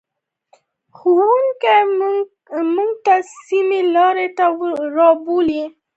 ښوونکی موږ سمې لارې ته رابولي.